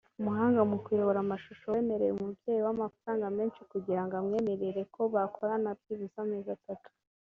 umuhanga mu kuyobora amashusho wemereye umubyeyi we amafaranga menshi kugira ngo amwemerere ko bakorana byibuze amezi atandatu